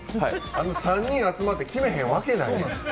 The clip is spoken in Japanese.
あの３人集まって決めへんわけないやん。